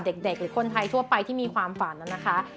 เด็กหรือคนไทยทั่วไปที่มีความฝันนะคะ